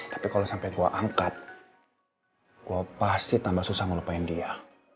tapi kalau sampe gue angkat gue pasti tambah susah ngelupain dia